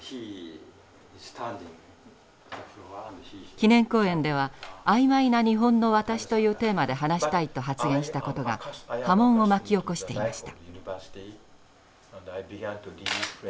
記念講演では「あいまいな日本の私」というテーマで話したいと発言したことが波紋を巻き起こしていました。